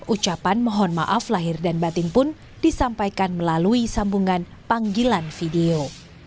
ucapan mohon maaf lahir dan batin pun disampaikan melalui sambungan panggilan video